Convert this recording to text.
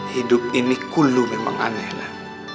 hidup ini kulu memang aneh